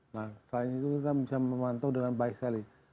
nah selain itu kita bisa memantau dengan baik sekali